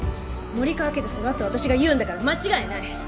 森川家で育った私が言うんだから間違いない。